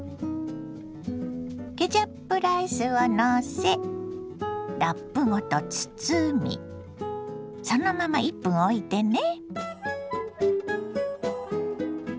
ケチャップライスをのせラップごと包みそのまま１分おいてね。